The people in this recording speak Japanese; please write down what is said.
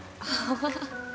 ああ。